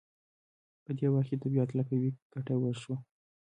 په دې وخت کې د طبیعت له قوې ګټه وشوه.